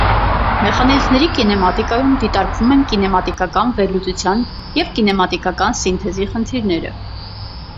Մեխանիզմների կինեմատիկայում դիտարկվում են կինեմատիկական վերլուծության և կինեմատիկական սինթեզի խնդիրները։